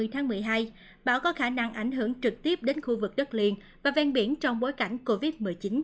hai mươi tháng một mươi hai bão có khả năng ảnh hưởng trực tiếp đến khu vực đất liền và ven biển trong bối cảnh covid một mươi chín